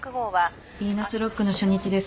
ビーナスロックの初日です。